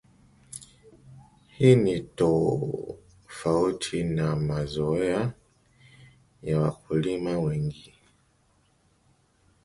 Hii ni tofauti na mazoea ya wakulima wengi